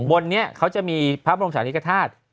บนนี้เขาจะมีพระบรมศาลีกฐาตุ